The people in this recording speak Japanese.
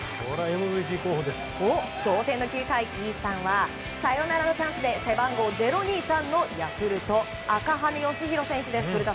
同点の９回、イースタンはサヨナラのチャンスで背番号０２３のヤクルト赤羽由紘選手です。